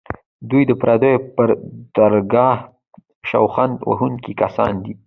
دوی د پردو پر درګاه شخوند وهونکي کسان دي.